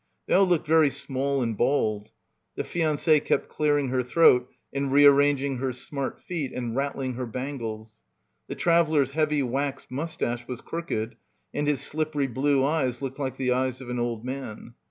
They all looked very small and bald. The fiancee kept clearing her throat and rearranging her smart feet and rattling her bangles. The traveller's heavy waxed moustache was crooked and his slippery blue eyes looked like the eyes of an old man.